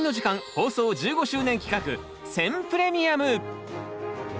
放送１５周年企画「選プレミアム」！